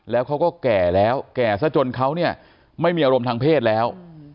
แล้วเขาก็แก่แล้วแก่ซะจนเขาเนี่ยไม่มีอารมณ์ทางเพศแล้ว